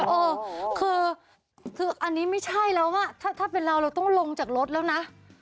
เออคืออันนี้ไม่ใช่แล้วอ่ะถ้าเป็นเราเราต้องลงจากรถแล้วนะ